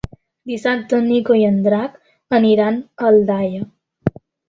Dissabte en Nico i en Drac aniran a Aldaia.